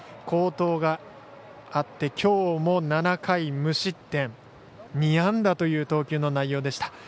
好投があってきょうも７回無失点２安打という投球の内容でした。